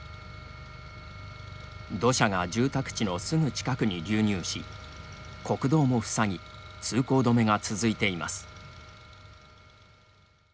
土砂が住宅地のすぐ近くに流入し国道も塞ぎ通行止めが続いています。